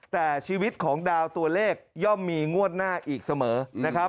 แต่ชีวิตของดาวตัวเลขย่อมมีงวดหน้าอีกเสมอนะครับ